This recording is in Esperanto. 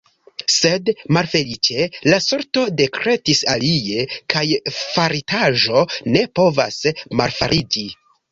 Sed, malfeliĉe, la sorto dekretis alie, kaj faritaĵo ne povas malfariĝi.